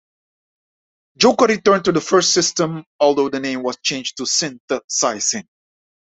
"Joker" returned to the first system, although the name was changed to Synthesizing.